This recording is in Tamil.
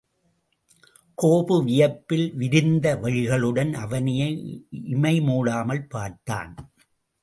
கோபு வியப்பில் விரிந்த விழிகளுடன் அவனையே இமை மூடாமல் பார்த்தான்.